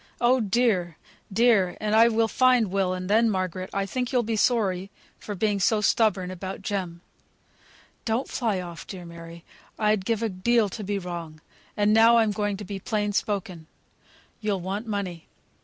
Oh dear! dear! And I will find Will; and then, Margaret, I think you'll be sorry for being so stubborn about Jem." "Don't fly off, dear Mary; I'd give a deal to be wrong. And now I'm going to be plain spoken. You'll want money.